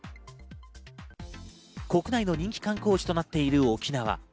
国内の人気観光地となっている沖縄。